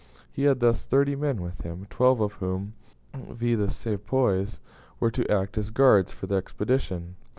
He had thus thirty men with him, twelve of whom, viz., the Sepoys, were to act as guards for the Expedition.